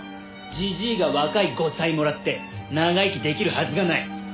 じじいが若い後妻もらって長生きできるはずがない。